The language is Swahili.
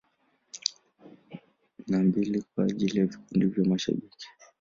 Na mbili kwa ajili ya vikundi vya mashabiki.